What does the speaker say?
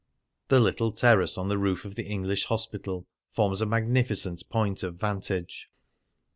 The little terrace on the roof of the English hospital forms a magnificent point of vantage.